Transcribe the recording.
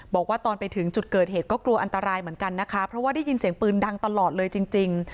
บอกว่าตอนไปถึงจุดเกิดเหตุก็กลัวอันตรายเหมือนกันนะคะเพราะว่าได้ยินเสียงปืนดังตลอดเลยจริง